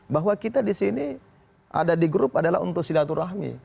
bahwa kita di sini ada di grup adalah untuk silaturahmi